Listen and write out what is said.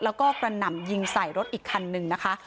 แล้วก็กระหน่ำยิงใส่รถอีกคันหนึ่งนะคะ